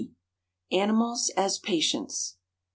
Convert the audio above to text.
ANIMALS AS PATIENTS.